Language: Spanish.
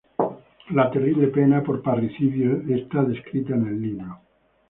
La terrible pena por parricidio es descrita en el libro.